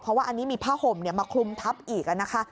เพราะว่าอันนี้มีผ้าห่มมาคลุมทับอีกนะคะ